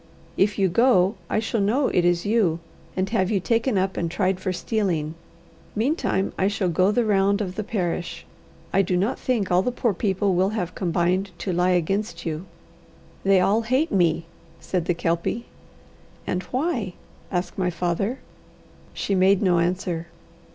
If you go, I shall know it is you, and have you taken up and tried for stealing. Meantime I shall go the round of the parish. I do not think all the poor people will have combined to lie against you." "They all hate me," said the Kelpie. "And why?" asked my father. She made no answer.